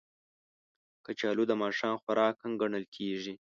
کچالو د ماښام خوراک هم ګڼل کېږي